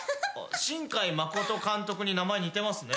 新海誠監督に名前似てますね。